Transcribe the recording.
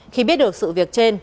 khi biết được sự việc trên